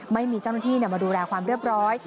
ไม่มีเจ้าหน้าที่มาดูแลความเรียบร้อย